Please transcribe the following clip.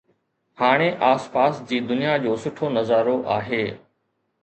هاڻي آس پاس جي دنيا جو سٺو نظارو آهي